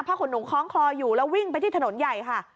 ขนหนูคล้องคออยู่แล้ววิ่งไปที่ถนนใหญ่ค่ะ